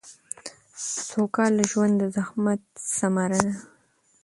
سوکاله ژوند د زحمت ثمره ده